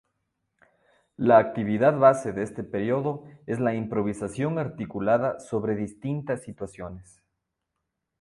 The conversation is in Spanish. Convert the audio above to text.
La actividad base de este periodo es la improvisación articulada sobre distintas situaciones.